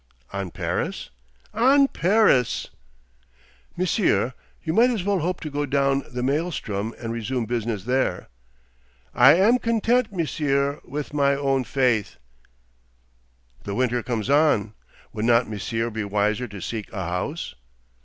'On Paris?' 'On Paris.' 'Monsieur, you might as well hope to go down the Maelstrom and resume business there.' 'I am content, Monsieur, with my own faith.' 'The winter comes on. Would not Monsieur be wiser to seek a house?